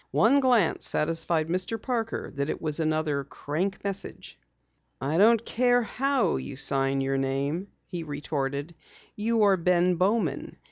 One glance satisfied Mr. Parker that it was another "crank" message. "I don't care how you sign your name," he retorted. "You are Ben Bowman.